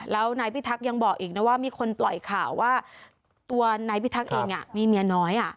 แล้วนายพิทักษ์ยังบอกอีกนะว่ามีคนปล่อยข่าวว่าตัวนายพิทักษ์เองมีเมียน้อย